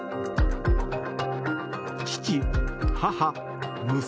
父、母、娘。